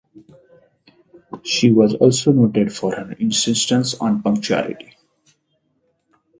She was also noted for her insistence on punctuality.